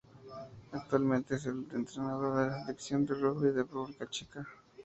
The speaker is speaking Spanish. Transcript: Actualmente es el entrenador de la Selección de rugby de República Checa.